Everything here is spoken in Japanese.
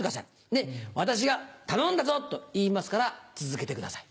で私が「頼んだぞ！」と言いますから続けてください。